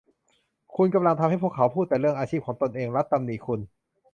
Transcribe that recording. คุณกำลังทำให้พวกเขาพูดแต่เรื่องอาชีพของตนเอง รัธตำหนิคุณ